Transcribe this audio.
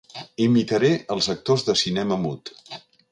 Imitaré els actors de cinema mut.